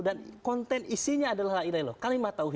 dan konten isinya adalah la ilaha ilallah